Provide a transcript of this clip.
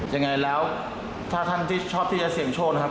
ยังไงแล้วถ้าท่านที่ชอบที่จะเสี่ยงโชคนะครับ